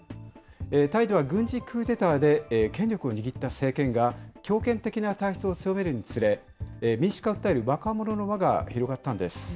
タイでは軍事クーデターで権力を握った政権が強権的な体質を強めるにつれ、民主化を訴える若者の輪が広がったんです。